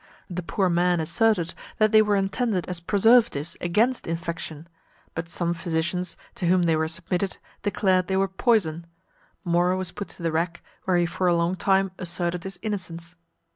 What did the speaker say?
The poor man asserted, that they were intended as preservatives against infection; but some physicians, to whom they were submitted, declared they were poison, Mora was put to the rack, where he for a long time asserted his innocence.